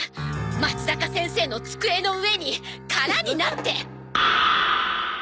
まつざか先生の机の上に空になって！